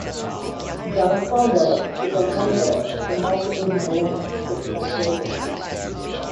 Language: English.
Dana-Farber is a member of the Multiple Myeloma Research Consortium.